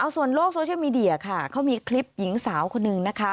ส่วนโลกโซเชียลมีเดียฯมีคลิปหญิงสาวคนนึง